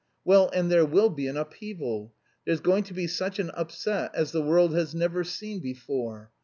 Well, and there will be an upheaval! There's going to be such an upset as the world has never seen before....